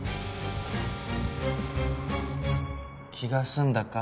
気が済んだか？